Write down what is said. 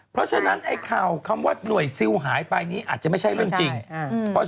เพราะฉะนั้นไอ้ข่าวคำว่าหน่วยซิลหายไปนี้อาจจะไม่ใช่เรื่องจริง